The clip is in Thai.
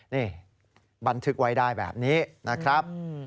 นี่บันทึกไว้ได้แบบนี้นะครับ